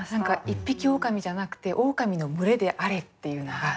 一匹オオカミじゃなくてオオカミの群れであれっていうのが。